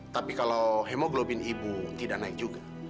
tapi kalau hemoglobin ibu tidak naik juga